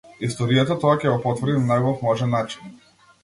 Историјата тоа ќе го потврди на најубав можен начин.